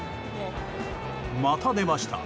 また出ました